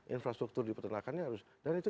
infrastruktur di peternakannya harus dan itu